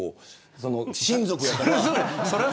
親族やから。